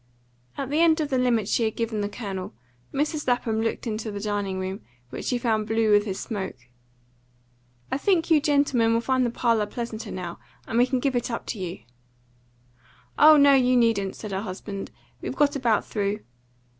At the end of the limit she had given the Colonel, Mrs. Lapham looked into the dining room, which she found blue with his smoke. "I think you gentlemen will find the parlour pleasanter now, and we can give it up to you." "Oh no, you needn't," said her husband. "We've got about through."